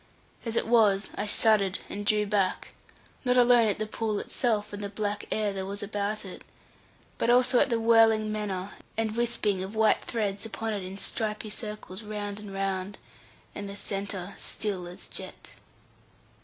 As it was, I shuddered and drew back; not alone at the pool itself and the black air there was about it, but also at the whirling manner, and wisping of white threads upon it in stripy circles round and round; and the centre still as jet.